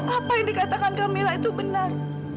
apa yang dikatakan camilla itu benar